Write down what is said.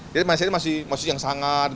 jadi saya masih yang sangat